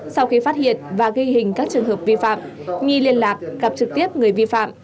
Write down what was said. sau khi phát hiện và ghi hình các trường hợp vi phạm nghi liên lạc gặp trực tiếp người vi phạm